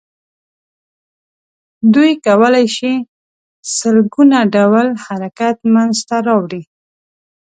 دوی کولای شي سل ګونه ډوله حرکت منځ ته راوړي.